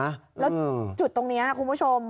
แล้วจุดตรงนี้คุณผู้ชม